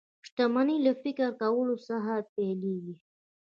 شتمني له فکر کولو څخه پيلېږي